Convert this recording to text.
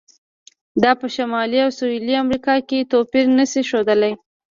دا په شمالي او سویلي امریکا کې توپیر نه شي ښودلی.